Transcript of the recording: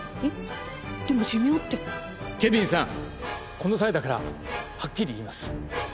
この際だからはっきり言います。